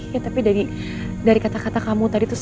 ya tapi dari kata kata kamu tadi tuh